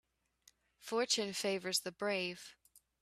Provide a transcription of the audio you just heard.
Fortune favours the brave.